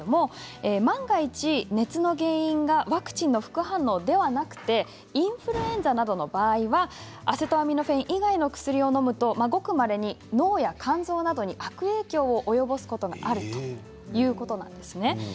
万が一、熱の原因がワクチンの副反応ではなくてインフルエンザなどの場合はアセトアミノフェン以外の薬をのむと、ごくまれに脳や肝臓などに悪影響を及ぼすことがあるということなんですよね。